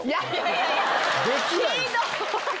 ひどい！